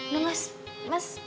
nih mas mas